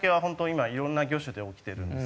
今いろんな魚種で起きてるんですけど。